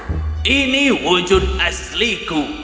tunjukkan wujud aslimu dan aku akan bertarung